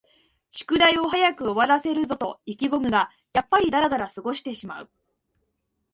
宿題を早く終わらせるぞと意気ごむが、やっぱりだらだら過ごしてしまう